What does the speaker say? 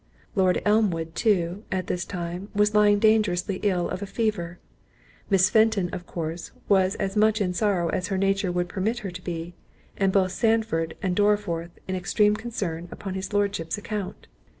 Lord Elmwood too, at this time was lying dangerously ill of a fever; Miss Fenton of course was as much in sorrow as her nature would permit her to be, and both Sandford and Dorriforth in extreme concern upon his Lordship's account.